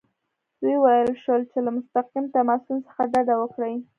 وویل شول چې له مستقیم تماسونو څخه ډډه وکړي.